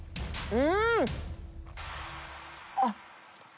うん！